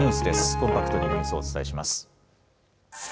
コンパクトにニュースをお伝えします。